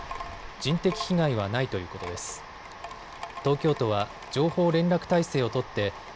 人的被害はないということです。